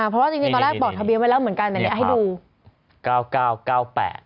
เพราะว่าตอนแรกบอกทะเบียนไว้แล้วเหมือนกันแต่นี่ครับ